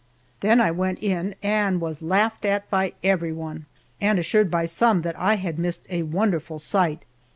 Then I went in, and was laughed at by everyone, and assured by some that I had missed a wonderful sight.